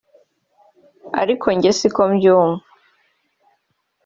Ariko njye si uko mbyumva